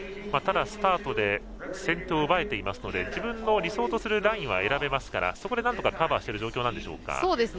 ただ、スタートで先頭を奪えていますので自分の理想とするラインは得られますからそこでなんとかカバーしている状況なんですか。